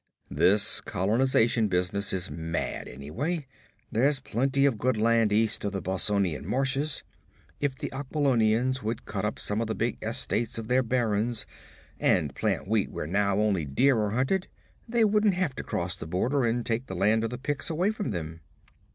This colonization business is mad, anyway. There's plenty of good land east of the Bossonian marches. If the Aquilonians would cut up some of the big estates of their barons, and plant wheat where now only deer are hunted, they wouldn't have to cross the border and take the land of the Picts away from them.'